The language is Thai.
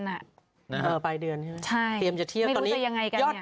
เออปลายเดือนใช่ป่ะครับใช่เตรียมจะเที่ยวว่าตอนนี้